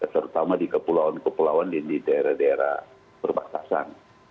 terutama di kepulauan kepulauan dan di daerah daerah perbatasan